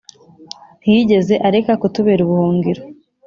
Ntiyigeze areka kutubera ubuhungiro